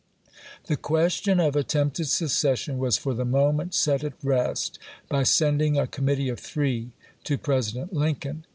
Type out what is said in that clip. The question of attempted secession was for the moment set at rest by sending a committee of three to President Lincoln.